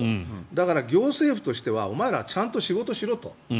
だから、行政府としてはお前ら、ちゃんと仕事しろと。